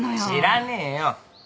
知らねえよ。